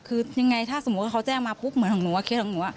คือยังไงถ้าสมมุติว่าเขาแจ้งมาปุ๊บเหมือนของหนูว่าเคสของหนู